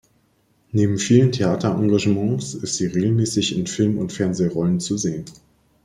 Neben vielen Theaterengagements ist sie regelmäßig in Film- und Fernsehrollen zu sehen.